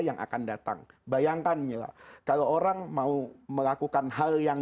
yang akan datang bayangkan mila kalau orang mau melakukan hal yang